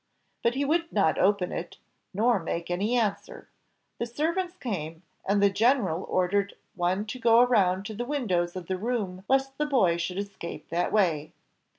But he would not open it, nor make any answer; the servants came, and the general ordered one to go round to the windows of the room lest the boy should escape that way.